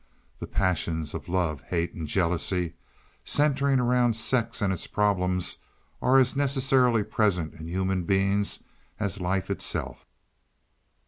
The passions of love, hate and jealousy, centering around sex and its problems, are as necessarily present in human beings as life itself.